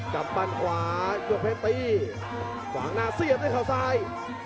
ปั้นขวายกเพชรตีขวางหน้าเสียบด้วยเขาซ้าย